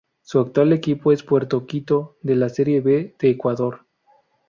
Su actual equipo es Puerto Quito de la Serie B de Ecuador.